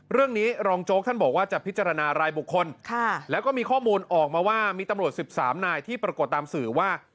เรื่องนี้รองโจ๊กท่านบอกว่าจะพิจารณารายบุคคลแล้วก็มีข้อมูลออกมาว่ามีตำรวจ๑๓นายที่ปรากฏตามสื่อว่า